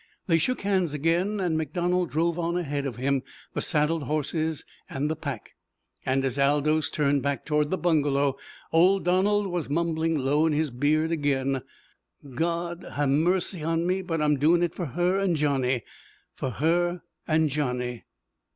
They shook hands again, and MacDonald drove on ahead of him the saddled horses and the pack. And as Aldous turned back toward the bungalow old Donald was mumbling low in his beard again, "God ha' mercy on me, but I'm doin' it for her an' Johnny for her an' Johnny!"